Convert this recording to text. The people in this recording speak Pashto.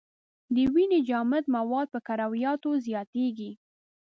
د وینې جامد مواد په کرویاتو یادیږي.